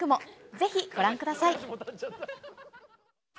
ぜひご覧ください。